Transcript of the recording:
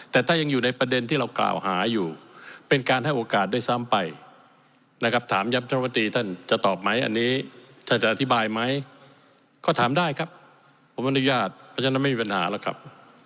ก็ถามได้ครับผมอนุญาตประจำนั้นไม่มีปัญหาแล้วครับ